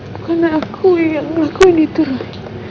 bukan aku yang ngelakuin itu roy